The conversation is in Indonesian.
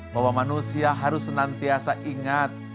bahwa manusia harus senantiasa ingat